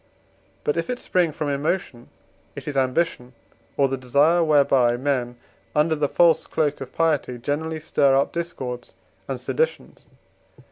But, if it spring from emotion, it is ambition, or the desire whereby, men, under the false cloak of piety, generally stir up discords and seditions.